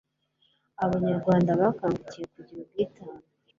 abanyarwanda bakangukiye kugira ubwitange